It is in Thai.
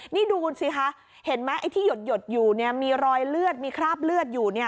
นี่ดูสิคะเห็นไหมไอ้ที่หยดอยู่มีรอยเลือดมีคราบเลือดอยู่